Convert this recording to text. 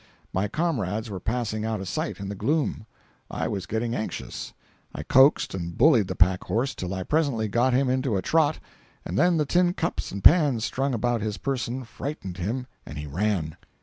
My comrades were passing out of sight in the gloom. I was getting anxious. I coaxed and bullied the pack horse till I presently got him into a trot, and then the tin cups and pans strung about his person frightened him and he ran.